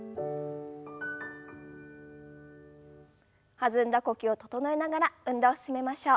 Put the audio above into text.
弾んだ呼吸を整えながら運動を進めましょう。